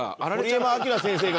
鳥山明先生が。